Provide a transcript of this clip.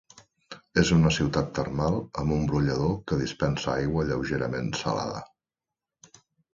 És una ciutat termal, amb un brollador que dispensa aigua lleugerament salada.